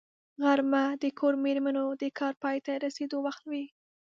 غرمه د کور مېرمنو د کار پای ته رسېدو وخت وي